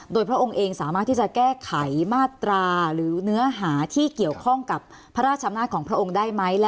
โดยพระองค์เองสามารถที่จะแก้ไขมาตราหรือเนื้อหาที่เกี่ยวข้องกับพระราชอำนาจของพระองค์ได้ไหม